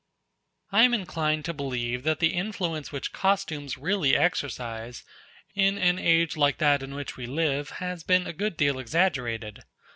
I am inclined to believe that the influence which costumes really exercise, in an age like that in which we live, has been a good deal exaggerated.